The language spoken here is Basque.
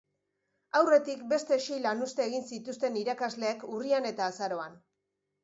Aurretik, beste sei lanuzte egin zituzten irakasleek urrian eta azaroan.